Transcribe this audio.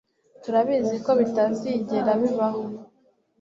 Turabizi ko bitazigera bibaho.